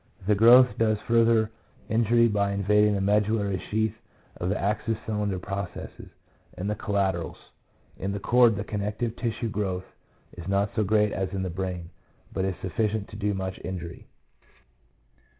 1 The growth does further injury by invading the medullary sheath of the axis cylinder processes, and the collaterals. In the cord the connective tissue growth is not so great as in the brain, but is sufficient to do much injury.